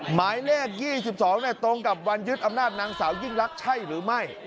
หมายเลข๒๒ตรงกับวันยึดอำนาจนางสาวยิ่งรักใช่หรือไม่